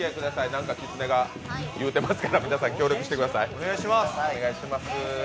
なんかきつねが言うてますから、皆さん協力してください。